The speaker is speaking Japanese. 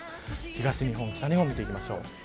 東日本、北日本を見ていきましょう。